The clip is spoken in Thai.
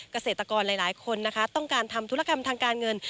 เกษตรกรหลายคนนะคะต้องการทำธุรกรรมทางการเงิน